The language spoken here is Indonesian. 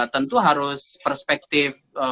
tentu harus perspektif